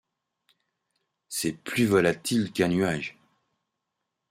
C'est plus volatil qu'un nuage.